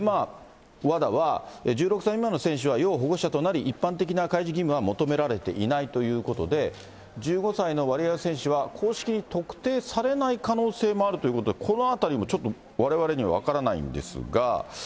ＷＡＤＡは、１６歳未満の選手は要保護者となり、一般的な開示義務は求められていないということで、１５歳のワリエワ選手は、公式に特定されない可能性もあるということで、このあたりもちょっと、われわれには分からないんですが。